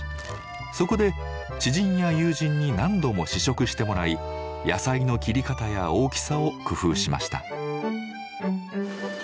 そこで知人や友人に何度も試食してもらい野菜の切り方や大きさを工夫しました。